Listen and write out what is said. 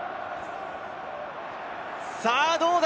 さあ、どうだ？